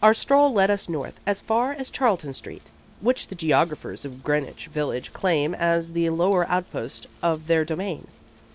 Our stroll led us north as far as Charlton Street, which the geographers of Greenwich Village claim as the lower outpost of their domain.